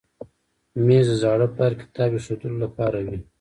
مېز د زاړه پلار کتاب ایښودلو لپاره وي.